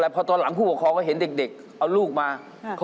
ภูมิใจนะครับ